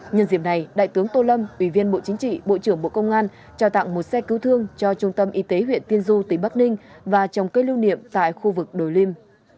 nhân diệm này đại tướng tô lâm ủy viên bộ chính trị bộ trưởng bộ công an trao tặng một xe cứu thương cho trung tâm y tế huyện tiên du tỉnh bắc ninh và trồng cây lưu niệm tại khu vực đồi lim